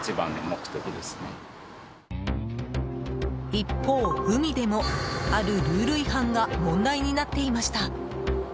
一方、海でもあるルール違反が問題になっていました。